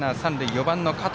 ４番の加藤。